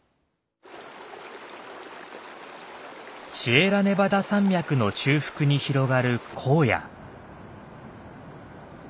シエラネバダ山脈の中腹に広がる荒野。